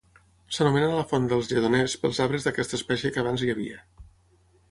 S'anomena la Font dels Lledoners pels arbres d'aquesta espècie que abans hi havia.